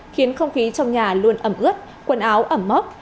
khiến không khí trong nhà luôn ẩm ướt quần áo ẩm mốc